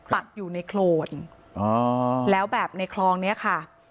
ปักอยู่ในโครนอ๋อแล้วแบบในคลองเนี้ยค่ะ